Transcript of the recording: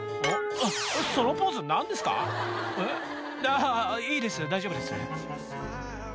あぁいいです大丈夫です」